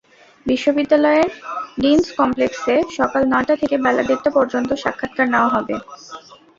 বিশ্ববিদ্যালয়ের ডিনস কমপ্লেক্সে সকাল নয়টা থেকে বেলা দেড়টা পর্যন্ত সাক্ষাৎকার নেওয়া হবে।